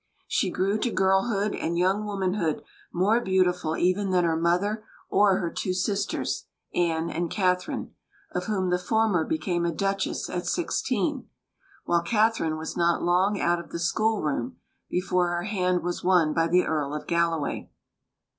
She grew to girlhood and young womanhood more beautiful even than her mother or her two sisters, Anne and Catherine, of whom the former became a Duchess at sixteen; while Catherine was not long out of the schoolroom before her hand was won by the Earl of Galloway.